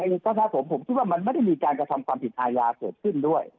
เพราะถ้าผมผมคิดว่ามันไม่ได้มีการกระทำความผิดอาญาเกิดขึ้นด้วย